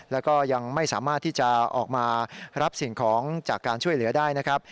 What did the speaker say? แล้วก็ยังไม่สามารถที่จะออกมารับสิ่งของจากการช่วยเหลือได้นะครับ